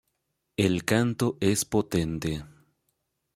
El canto es potente.